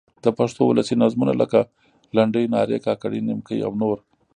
د پښتو اولسي نظمونه؛ لکه: لنډۍ، نارې، کاکړۍ، نیمکۍ او نور.